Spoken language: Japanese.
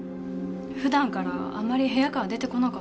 普段からあんまり部屋から出てこなかったから。